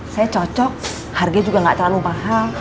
saya cocok harganya juga nggak terlalu mahal